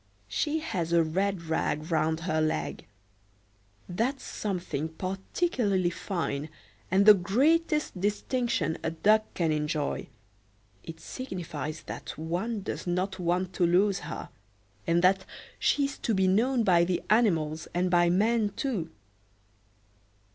she has a red rag round her leg; that's something particularly fine, and the greatest distinction a duck can enjoy: it signifies that one does not want to lose her, and that she's to be known by the animals and by men too.